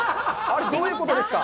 あれ、どういうことですか？